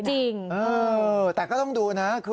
จริงแต่ก็ต้องดูนะ